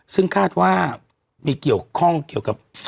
ซึ่งคาดว่ามีเกี่ยวข้องเกี่ยวกับ